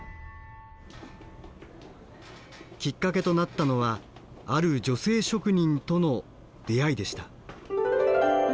きっかけとなったのはある女性職人との出会いでした。